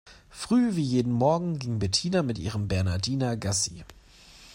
Früh wie jeden Morgen ging Bettina mit ihrem Bernhardiner Gassi.